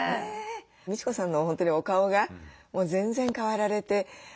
みち子さんの本当にお顔がもう全然変わられて。